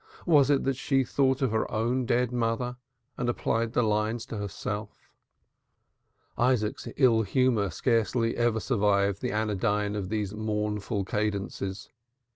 Was it that she thought of her own dead mother and applied the lines to herself? Isaac's ill humor scarcely ever survived the anodyne of these mournful cadences.